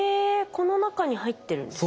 この中に入ってるんですか？